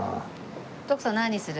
徳さん何にする？